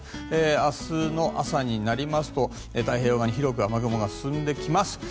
明日の朝になりますと太平洋側に広く雨雲が進んできます。